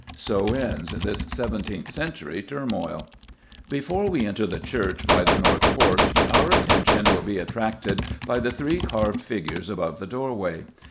So ends this seventeenth century turmoil. Before we enter the church by the north porch, our attention will be attracted by the three carved figures above the doorway.